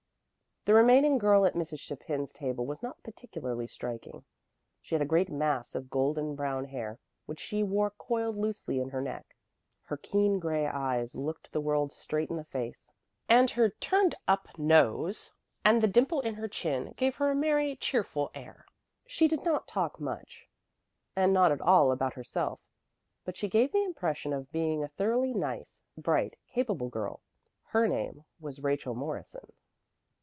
The remaining girl at Mrs. Chapin's table was not particularly striking. She had a great mass of golden brown hair, which she wore coiled loosely in her neck. Her keen grey eyes looked the world straight in the face, and her turned up nose and the dimple in her chin gave her a merry, cheerful air. She did not talk much, and not at all about herself, but she gave the impression of being a thoroughly nice, bright, capable girl. Her name was Rachel Morrison.